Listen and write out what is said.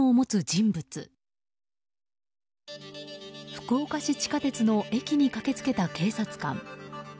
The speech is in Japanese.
福岡市地下鉄の駅に駆け付けた警察官。